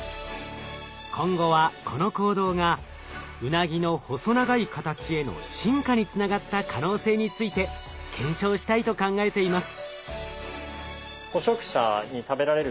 今後はこの行動がウナギの細長い形への進化につながった可能性について検証したいと考えています。